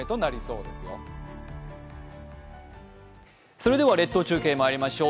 それでは列島中継まいりましょう。